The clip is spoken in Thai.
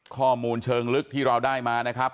ข้อมูลเชิงลึกที่เราได้มานะครับ